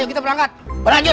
ayo kita berangkat beranjut